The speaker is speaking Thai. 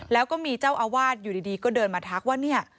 แล้วก็มีเจ้าอาวาสอยู่ดีก็เดินมาทักว่าเนี่ย